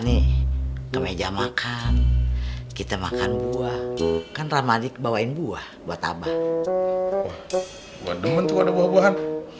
nih ke meja makan kita makan buah bukan rahmatik bawain buah buat abah buat temen tuh ada buah buahan